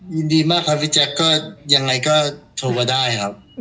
ยินดีมากครับพี่แจ๊คก็ยังไงก็โทรมาได้ครับ